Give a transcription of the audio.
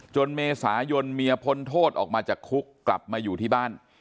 เมษายนเมียพ้นโทษออกมาจากคุกกลับมาอยู่ที่บ้าน